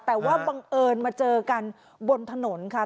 แต่ว่าบังเอิญมาเจอกันบนถนนค่ะ